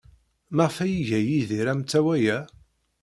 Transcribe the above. Maɣef ay iga Yidir amtawa-a?